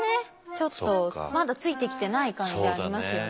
ちょっとまだついてきてない感じありますよね。